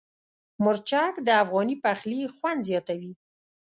مرچک د افغاني پخلي خوند زیاتوي.